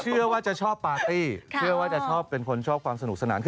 เชื่อว่าจะชอบปาร์ตี้เชื่อว่าจะชอบเป็นคนชอบความสนุกสนาน